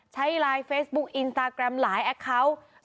ใช้ไลน์เฟซบุ๊คอินสตาแกรมหลายแอคเคาน์